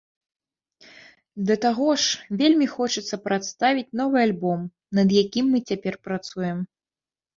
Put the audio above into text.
Да таго ж, вельмі хочацца прадставіць новы альбом, над якім мы цяпер працуем.